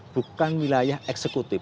bukan wilayah eksekutif